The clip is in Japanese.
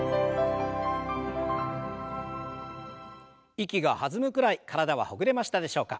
息が弾むくらい体はほぐれましたでしょうか。